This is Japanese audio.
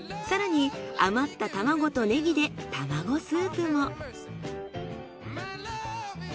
更に余った卵とねぎで卵スープも。